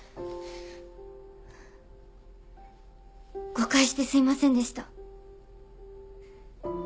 誤解してすみませんでした。